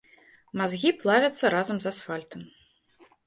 Мазгі плавяцца разам з асфальтам.